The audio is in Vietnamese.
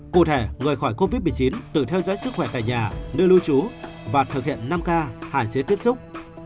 cụ thể người khỏi covid một mươi chín tự theo dõi sức khỏe tại nhà nơi lưu trú và thực hiện năm k hạn chế tiếp xúc